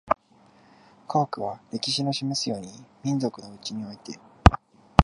科学は、歴史の示すように、民族のうちにおいて